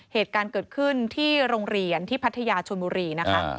เหตุการณ์เกิดขึ้นที่โรงเรียนที่พัทยาชนบุรีนะคะ